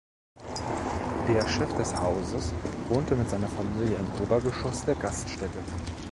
Der Chef des Hauses wohnte mit seiner Familie im Obergeschoss der Gaststätte.